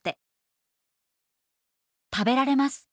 「食べられます